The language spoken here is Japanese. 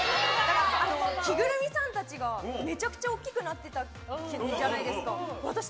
キグルミさんたちが、めちゃくちゃ大きくなってたじゃないですか。